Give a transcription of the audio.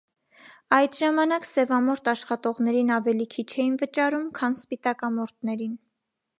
Այդ ժամանակ սևամորթ աշխատողներին ավելի քիչ էին վճարում, քան սպիտակամորթներին։